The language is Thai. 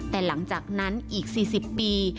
แต่หลังจากนั้นอีก๔๐ปี